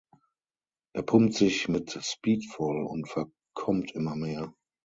Er pumpt sich mit Speed voll und verkommt immer mehr.